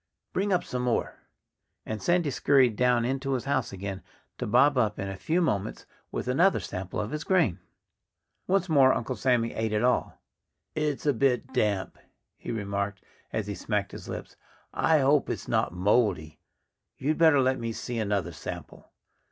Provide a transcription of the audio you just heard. "Bring up some more!" And Sandy scurried down into his house again, to bob up in a few moments with another sample of his grain. Once more Uncle Sammy ate it all. "It's a bit damp," he remarked, as he smacked his lips. "I hope it's not moldy.... You'd better let me see another sample."